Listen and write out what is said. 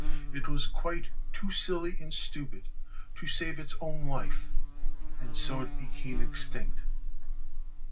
It was quite too silly and stupid to save its own life, and so it became extinct.